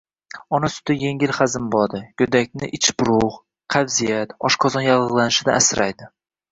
Ona suti yengil hazm bo‘ladi, go‘dakni ichburug‘, qabziyat, oshqozon yallig‘lanishidan asraydi.